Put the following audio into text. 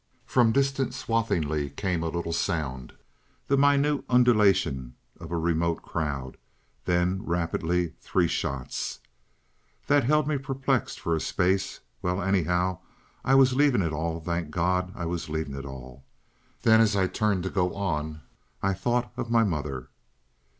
From distant Swathinglea came a little sound, the minute undulation of a remote crowd, and then rapidly three shots. That held me perplexed for a space. ... Well, anyhow I was leaving it all! Thank God I was leaving it all! Then, as I turned to go on, I thought of my mother.